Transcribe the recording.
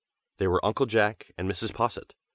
They were Uncle Jack and Mrs. Posset.